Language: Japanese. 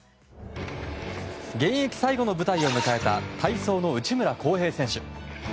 現役最後の舞台を迎えた体操の内村航平選手。